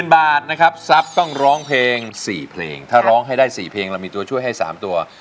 นะครับทรัพย์ต้องร้องเพลง๔เพลงถ้าร้องให้ได้๔เพลงเรามีตัวช่วยให้๓ตัว